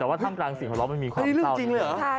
แต่ว่าทางกลางเสียงหล่อมันมีความเศร้า